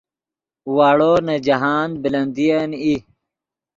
واڑو نے جاہند بلندین ای